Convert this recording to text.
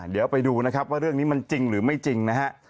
เดี๋ยวไปดูนะครับว่าเรื่องนี้มันจริงหรือไม่จริงนะฮะ